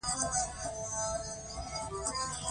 لنګر په دغه ترتیب وچلاوه.